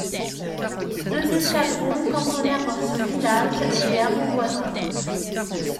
Deux escadrons cantonnèrent dans ce village et les hameaux voisins.